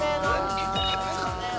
結構高いかもよ。